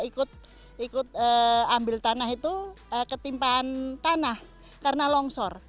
itu ikut ambil tanah itu ketimpan tanah karena longsor